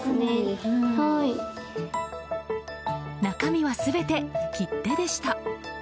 中身は全て切手でした。